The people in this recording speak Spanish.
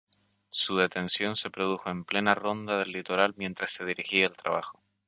Su detención se produjo en plena Ronda del Litoral, mientras se dirigía al trabajo.